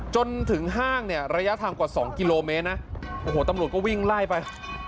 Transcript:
จนถึงห้างเนี่ยระยะทางกว่า๒กิโลเมตรนะโอ้โหตำรวจก็วิ่งไล่ไป